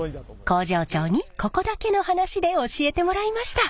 工場長にここだけの話で教えてもらいました。